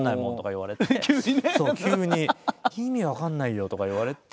「意味分かんないよ」とか言われて。